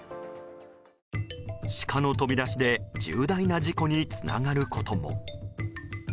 シカの飛び出しで重大な事故につながることも。